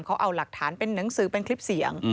เขาเอาหลักฐานเป็นหนังสือเป็นคลิปเสียง